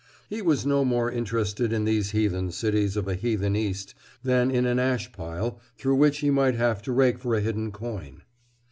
He was no more interested in these heathen cities of a heathen East than in an ash pile through which he might have to rake for a hidden coin.